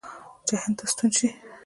چې هند ته ستون شي.